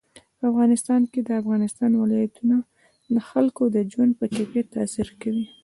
په افغانستان کې د افغانستان ولايتونه د خلکو د ژوند په کیفیت تاثیر کوي.